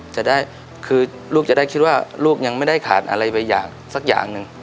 จะได้คือลูกจะได้คิดว่าลูกยังไม่ได้ขาดอะไรไปอย่างสักอย่างหนึ่ง